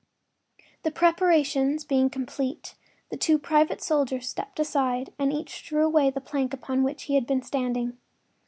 The preparations being complete, the two private soldiers stepped aside and each drew away the plank upon which he had been standing.